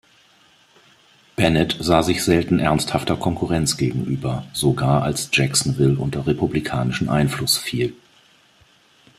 Bennett sah sich selten ernsthafter Konkurrenz gegenüber, sogar als Jacksonville unter republikanischen Einfluss fiel.